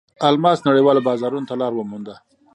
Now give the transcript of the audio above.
الماس نړیوالو بازارونو ته لار ومونده.